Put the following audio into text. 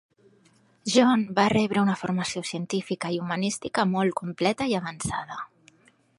John va rebre una formació científica i humanística molt completa i avançada.